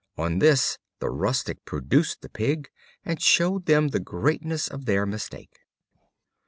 On this the Rustic produced the pig, and showed them the greatness of their mistake.